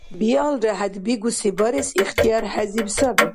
Биалра, хӀед дигуси барес ихтияр хӀезиб саби.